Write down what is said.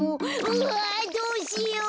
うわどうしよう。